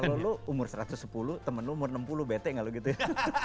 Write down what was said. kalau lo umur satu ratus sepuluh temen lo umur enam puluh bete gak lo gitu ya